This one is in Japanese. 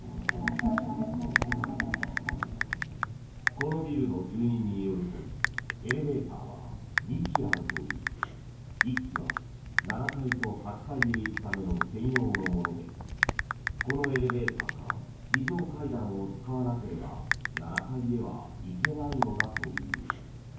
このビルの住人によるとエレベーターは２基あるといい１基は、７階と８階へ行くための専用のものでこのエレベーターか非常階段を使わなければ７階へは行けないのだという。